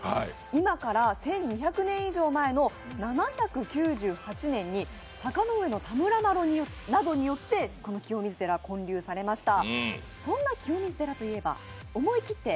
今から１２００年以上前の７９８年に坂上田村麻呂などによってこの清水寺、建立されました。